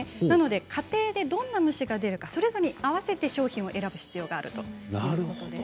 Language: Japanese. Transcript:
家庭にどんな虫が出るのかそれぞれ合わせて商品を選ぶ必要があるということです。